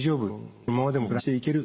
このままでも暮らしていける。